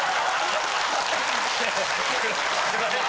すみません。